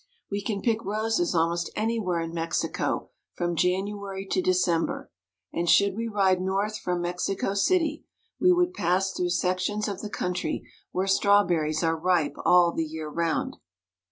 We can pick roses almost anywhere in Mexico from January to December; and should we ride north from Mexico city, we would pass through sections of the coun try where strawberries are ripe all the year round.